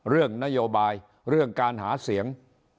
เรื่องนโยบายเรื่องการหาเสียง